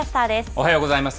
おはようございます。